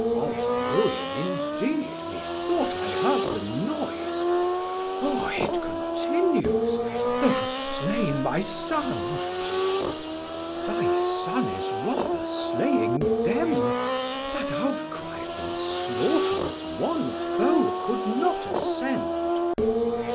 Man: Of ruin indeed methought I heard the noise, Oh it continues, they have slain my Son. Chor: Thy Son is rather slaying them, that outcry From slaughter of one foe could not ascend.